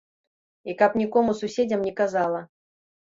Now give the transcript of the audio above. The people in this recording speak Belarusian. І каб нікому суседзям не казала.